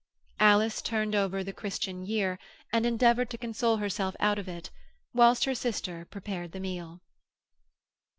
Alice turned over "The Christian Year," and endeavoured to console herself out of it, whilst her sister prepared the meal.